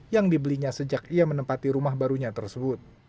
yang dibelinya sejak ia menempati rumah barunya tersebut